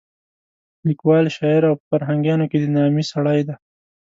لیکوال، شاعر او په فرهنګیانو کې د نامې سړی دی.